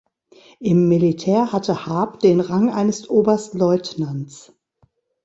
Im Militär hatte Haab den Rang eines Oberstleutnants.